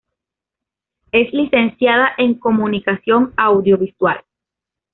Es licenciada en comunicación audiovisual.